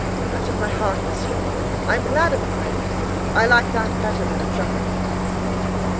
"Out of my heart, Monsieur. I am glad of a friend. I like that better than a triumph."